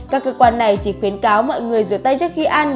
các cơ quan này chỉ khuyến cáo mọi người rửa tay trước khi ăn